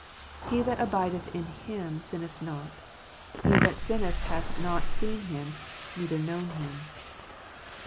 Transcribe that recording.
" He that abideth in Him sinneth not He that sinneth hath not seen Him, neither known Him."